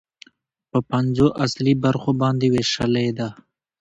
په پنځو اصلي برخو باندې ويشلې ده